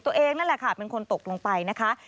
ตัวเองนั่นแหละค่ะเป็นคนตกลงไปนะคะ